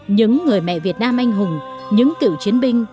những người mẹ việt nam anh hùng những cựu chiến binh